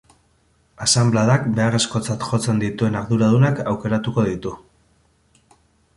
Asanbladak beharrezkotzat jotzen dituen arduradunak aukeratuko ditu.